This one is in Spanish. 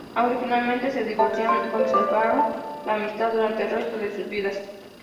Aunque finalmente se divorciaron, conservaron la amistad durante el resto de sus vidas.